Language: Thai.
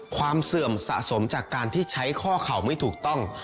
เสื่อมสะสมจากการที่ใช้ข้อเข่าไม่ถูกต้อง